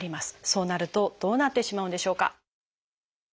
そうなるとどうなってしまうんでしょうか？